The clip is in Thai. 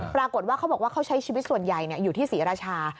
ปรากฏว่าเขาบอกว่าเขาใช้ชีวิตส่วนใหญ่อยู่ที่ศรีราชา